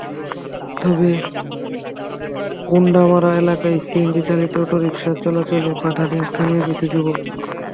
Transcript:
তবে গণ্ডামারা এলাকায় সিএনজিচালিত অটোরিকশা চলাচলে বাধা দেন স্থানীয় কিছু যুবক।